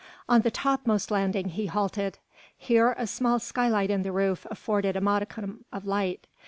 On the topmost landing he halted; here a small skylight in the roof afforded a modicum of light.